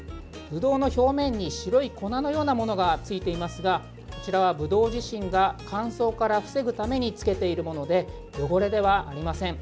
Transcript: ブドウの表面に白い粉のようなものがついていますがこちらはブドウ自身が、乾燥から防ぐためにつけているもので汚れではありません。